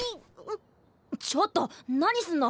ちょっと何すんの！？